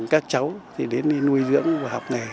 các cháu đến đi nuôi dưỡng và học nghề